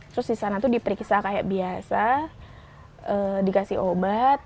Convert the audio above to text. terus di sana itu diperiksa kayak biasa dikasih obat